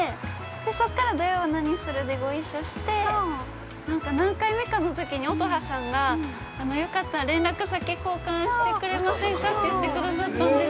そこから「土曜はナニする！？」でご一緒してなんか何回目かのときに、乙葉さんがよかったら連絡先交換してくれませんかって言ってくださったんです。